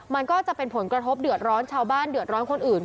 มันก็จะเป็นผลกระทบเดือดร้อนชาวบ้านเดือดร้อนคนอื่น